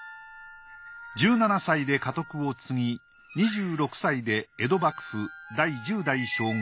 １７歳で家督を継ぎ２６歳で江戸幕府第１０代将軍